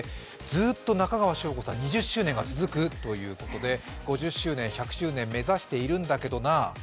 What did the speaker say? ずーっと２０周年が続くということで５０周年、１００周年目指しているんだけどな。